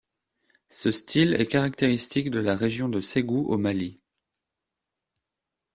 Ce style est caractéristique de la région de Ségou au Mali.